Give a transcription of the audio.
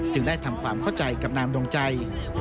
ได้ทำความเข้าใจกับนางดวงใจ